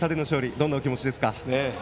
どんなお気持ちですか。